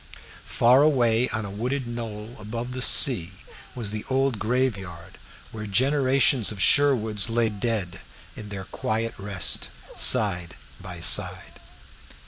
Far away on a wooded knoll above the sea was the old graveyard, where generations of Sherwoods lay dead in their quiet rest, side by side.